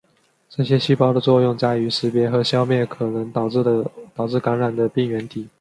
这些细胞的作用在于识别和消灭可能导致感染的病原体。